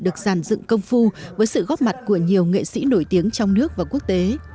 được giàn dựng công phu với sự góp mặt của nhiều nghệ sĩ nổi tiếng trong nước và quốc tế